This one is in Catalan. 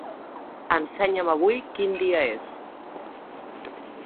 Ensenya'm avui quin dia és.